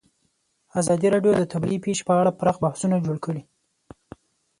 ازادي راډیو د طبیعي پېښې په اړه پراخ بحثونه جوړ کړي.